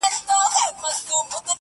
بنده و تړل بارونه، خداى کوله خپل کارونه.